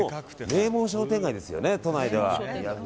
名門商店街ですよね、都内では。